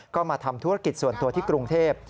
ก็มาทำธุรกิจส่วนตัวที่กรุงเทพ